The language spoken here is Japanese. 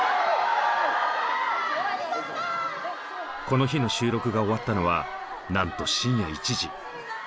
この日の収録が終わったのはなんと深夜１時。